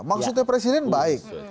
maksudnya presiden baik